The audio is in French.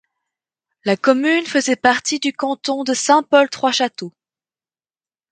La commune faisait partie du canton de Saint-Paul-Trois-Châteaux.